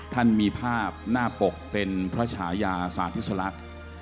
ท่านมีภาพหน้าปกเป็นพระชายาสาธิสลักษณ์